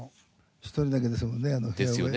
１人だけですもんね。